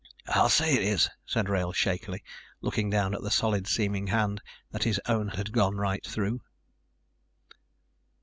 "I'll say it is," said Wrail shakily, looking down at the solid seeming hand that his own had gone right through.